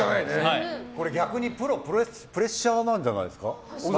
これ、逆にプロはプレッシャーじゃないですか？